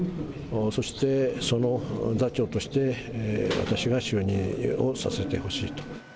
そしてその座長として、私が就任をさせてほしいと。